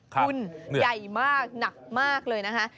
คุณใหญ่มากหนักมากเลยนะคะ